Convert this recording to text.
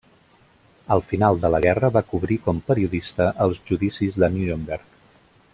Al final de la guerra va cobrir com periodista els Judicis de Nuremberg.